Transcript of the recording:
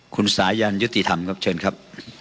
คุณสายันยุติธรรมครับเชิญครับ